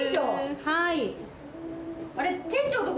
はい。